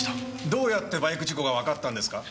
どうやってバイク事故がわかったんですか？